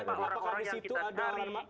pertanyaannya bukan itu